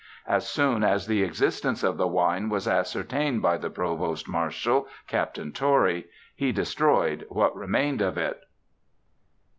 As soon as the existence of the wine was ascertained by the provost marshal, Capt. Torrey, he destroyed what remained of it.